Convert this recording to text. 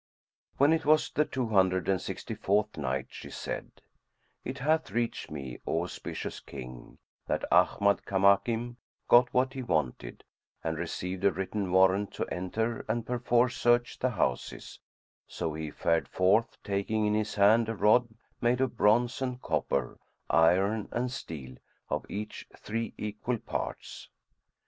When it was the Two Hundred and Sixty fourth Night, She said, It hath reached me, O auspicious King, that Ahmad Kamakim got what he wanted, and received a written warrant to enter and perforce search the houses; so he fared forth, taking in his hand a rod[FN#98] made of bronze and copper, iron and steel, of each three equal parts.